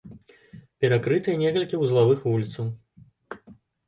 Перакрытыя некалькі вузлавых вуліцаў.